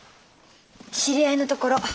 知り合いのところ。